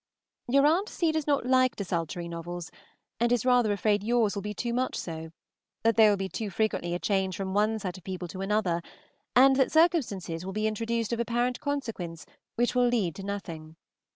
Your Aunt C. does not like desultory novels, and is rather afraid yours will be too much so, that there will be too frequently a change from one set of people to another, and that circumstances will be introduced of apparent consequence which will lead to nothing.